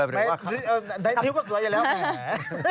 ใดทิ้วก็สวยอย่างนี้แหม